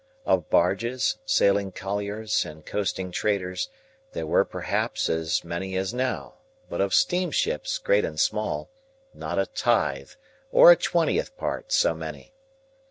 Of barges, sailing colliers, and coasting traders, there were perhaps, as many as now; but of steam ships, great and small, not a tithe or a twentieth part so many.